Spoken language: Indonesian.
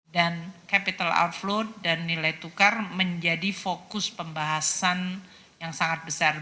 dan capital outflow dan nilai tukar menjadi fokus pembahasan yang sangat besar